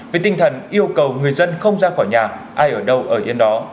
với tinh thần yêu cầu người dân không ra khỏi nhà ai ở đâu ở yên đó